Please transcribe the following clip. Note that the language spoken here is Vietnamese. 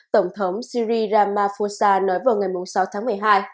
tổng thống syri ramaphosa nói vào ngày sáu tháng một mươi hai